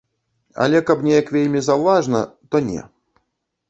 Але каб неяк вельмі заўважна, то не.